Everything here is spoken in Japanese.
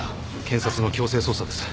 検察の強制捜査です。